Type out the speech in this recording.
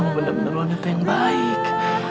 aku bener bener orang ternyata yang baik